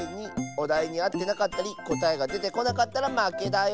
おだいにあってなかったりこたえがでてこなかったらまけだよ。